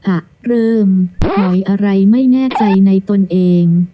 อ่ะเริ่มถอยอะไรไม่แน่ใจในตนเอง